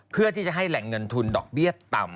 เพื่อที่จะให้แหล่งเงินทุนดอกเบี้ยต่ำ